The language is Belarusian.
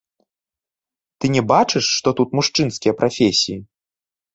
Ты не бачыш, што тут мужчынскія прафесіі?